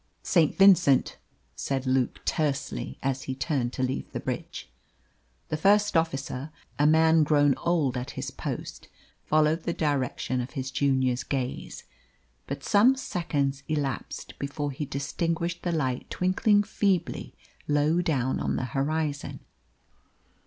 "St. Vincent," said Luke tersely, as he turned to leave the bridge. The first officer, a man grown old at his post, followed the direction of his junior's gaze, but some seconds elapsed before he distinguished the light twinkling feebly low down on the horizon.